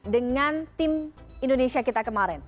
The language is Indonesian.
dengan tim indonesia kita kemarin